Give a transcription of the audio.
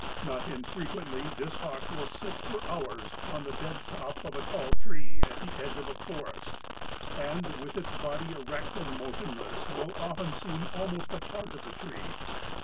Not infrequently this Hawk will sit for hours on the dead top of a tall tree at the edge of a forest, and with its body erect and motionless will often seem almost a part of the tree.